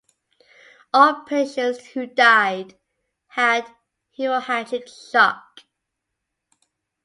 All patients who died had hemorrhagic shock.